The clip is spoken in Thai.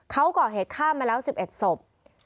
เขาก่อเหตุฆ่ามาแล้ว๑๑ศพ